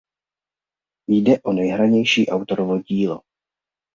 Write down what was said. Jde o nejhranější autorovo dílo.